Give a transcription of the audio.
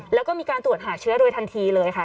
แล้วก็มีการตรวจหาเชื้อโดยทันทีเลยค่ะ